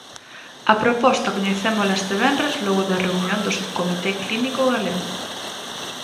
A proposta coñecémola este venres logo da reunión do subcomité clínico galego.